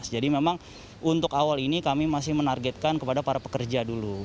jadi memang untuk awal ini kami masih menargetkan kepada para pekerja dulu